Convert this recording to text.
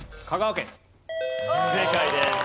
正解です。